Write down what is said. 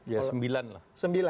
ya sembilan lah